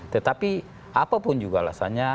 tetapi apapun juga alasannya